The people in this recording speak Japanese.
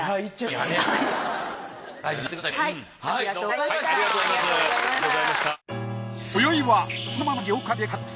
ありがとうございます。